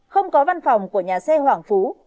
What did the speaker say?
không có văn phòng của nhà xe hoàng phú